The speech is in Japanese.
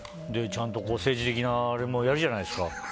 ちゃんと政治的なあれもやるじゃないですか。